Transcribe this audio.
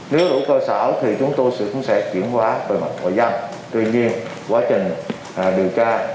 nếu đủ cơ sở thì chúng tôi sẽ chuyển qua bởi mặt ngoại gian tuy nhiên quá trình điều tra